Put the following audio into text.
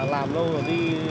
làm lâu rồi đi